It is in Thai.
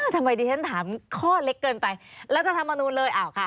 ทำไมดิฉันถามข้อเล็กเกินไปรัฐธรรมนูลเลยอ้าวค่ะ